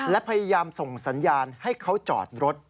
และพยายามส่งสัญญาณให้เขาจอดรถ